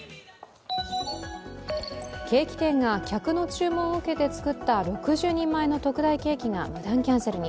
ケーキ店が客の注文を受けて作った６０人前の特大ケーキが無断キャンセルに。